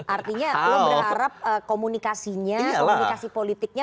artinya belum berharap komunikasinya komunikasi politiknya